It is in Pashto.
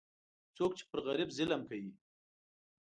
څوک چې پر غریب ظلم کوي،